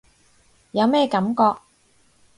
有咩感覺？